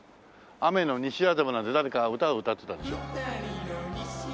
『雨の西麻布』なんて誰か歌を歌ってたでしょ？